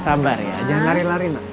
sabar ya jangan lari lari